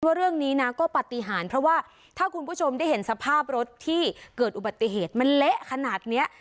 ว่าเรื่องนี้นะก็ปฏิหารเพราะว่าถ้าคุณผู้ชมได้เห็นสภาพรถที่เกิดอุบัติเหตุมันเละขนาดนี้